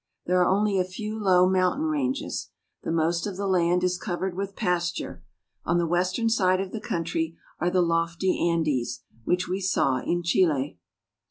There are only a few low mountain ranges. The most of the land is covered with pasture. On the western side of the coun try are the lofty Andes, which we saw in Chile.